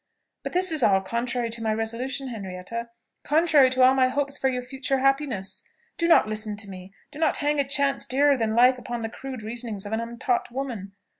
But this is all contrary to my resolution, Henrietta, contrary to all my hopes for your future happiness. Do not listen to me; do not hang a chance dearer than life upon the crude reasonings of an untaught woman.